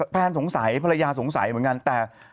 แฟนสงสัยภรรยาสงสัยเหมือนกันแต่